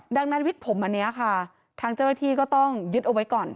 ดังนั้นวิกผมอันนี้ค่ะทางเจ้าหน้าที่ก็ต้องยึดเอาไว้ก่อน